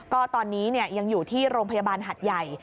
ก็ตอนนี้ยังอยู่ที่โรงพยาบาลหัดใหญ่